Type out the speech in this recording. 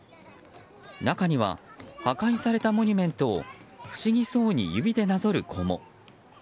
中には破壊されたモニュメントを不思議そうに指でなぞる子も。